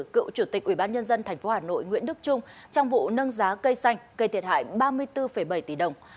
cựu chủ tịch ubnd tp hà nội nguyễn đức trung trong vụ nâng giá cây xanh gây thiệt hại ba mươi bốn bảy tỷ đồng